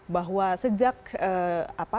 bahwa sejak amerika serikat